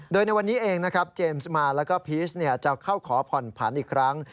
โดยในวันนี้เองนะครับเจมส์มาแล้วก็พีชจะเข้าขอผ่อนผันอีกครั้ง